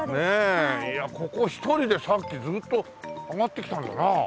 いやここ一人でさっきずっと上がってきたんだな。